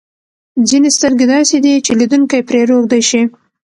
ځینې سترګې داسې دي چې لیدونکی پرې روږدی شي.